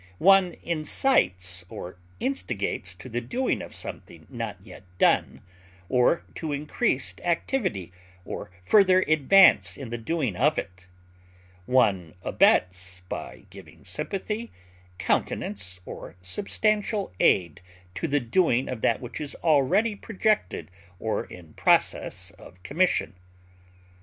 One incites or instigates to the doing of something not yet done, or to increased activity or further advance in the doing of it; one abets by giving sympathy, countenance, or substantial aid to the doing of that which is already projected or in process of commission.